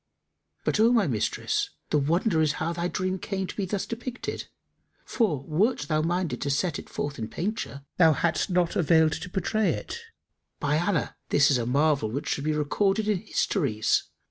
But, O my mistress, the wonder is how thy dream came to be thus depicted, for, wert thou minded to set it forth in painture, thou hadst not availed to portray it. By Allah, this is a marvel which should be recorded in histories!